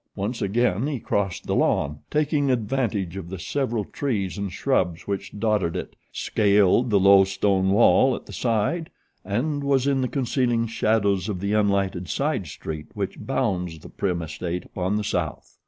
Once again he crossed the lawn, taking advantage of the several trees and shrubs which dotted it, scaled the low stone wall at the side and was in the concealing shadows of the unlighted side street which bounds the Prim estate upon the south.